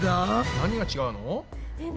何が違うの？